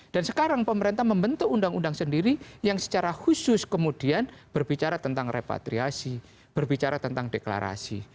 dan sekarang pemerintah membentuk undang undang sendiri yang secara khusus kemudian berbicara tentang repatriasi berbicara tentang deklarasi